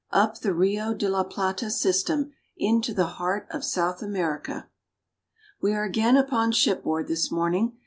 UP THE RIO DE LA PLATA SYSTEM INTO THE HEART OF SOUTH AMERICA. WE are again upon shipboard this morning.